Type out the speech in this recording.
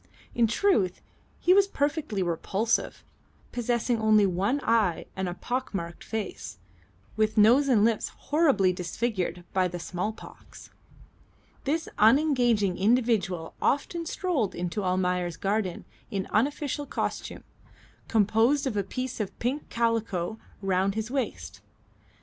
In truth he was perfectly repulsive, possessing only one eye and a pockmarked face, with nose and lips horribly disfigured by the small pox. This unengaging individual often strolled into Almayer's garden in unofficial costume, composed of a piece of pink calico round his waist.